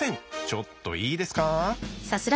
ちょっといいですか？